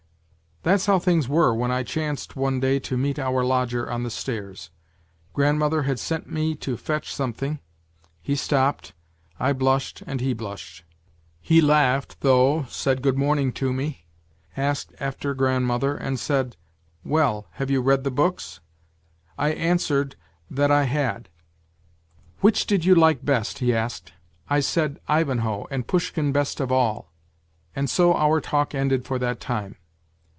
" That's how things were when I chanced one day to meet our lodger on the stairs. Grandmother had sent me to fetch something. He stopped, I blushed and he blushed; he laughed, though, said good morning to me, asked after grandmother, and said, ' Well, have you read the books ?' I answered that WHITE NIGHTS 27 I had. 'Which did you like best?' he asked. I said, ' Ivanhoe, and Pushkin best of all,' and so our talk ended for that time.